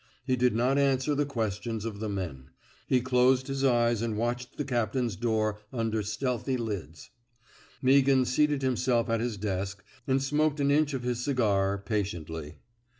He did not answer the questions of the men. He closed his eyes and watched the captain's door under stealthy lids. Meaghan seated himself at his desk and smoked an inch of his cigar, patiently.